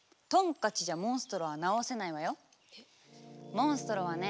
モンストロはね